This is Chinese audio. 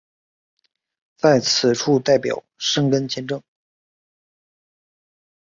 在此处代表申根签证。